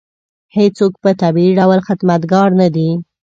هېڅوک په طبیعي ډول خدمتګار نه دی.